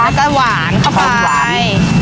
แล้วก็หวานเข้าไป